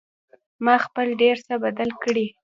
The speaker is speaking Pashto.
ما خپل ډېر څه بدل کړي